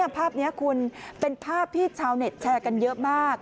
ภาพนี้คุณเป็นภาพที่ชาวเน็ตแชร์กันเยอะมาก